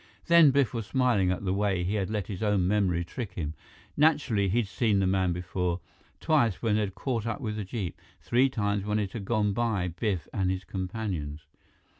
Then Biff was smiling at the way he had let his own memory trick him. Naturally, he'd seen the man before twice when they'd caught up with the jeep three times when it had gone by Biff and his companions.